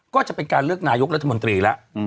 ก็จะเป็นการเลือกงายุทธมนตรีละ